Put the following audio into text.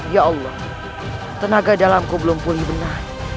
ya allah tenaga dalamku belum pulih benar